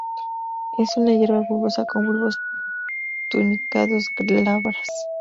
Es una hierba bulbosa, con bulbos tunicados, glabras.